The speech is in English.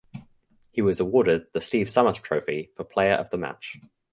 He was awarded the Steve Sumner Trophy for player of the match.